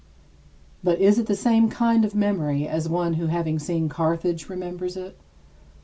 But is it the same kind of memory as one who having seen Carthage remembers it?